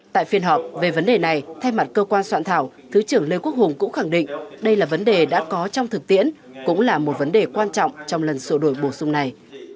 tại phiên họp về vấn đề này thay mặt cơ quan soạn thảo thứ trưởng lê quốc hùng cũng khẳng định đây là vấn đề đã có trong thực tiễn cũng là một vấn đề quan trọng trong lần sổ đổi bổ sung này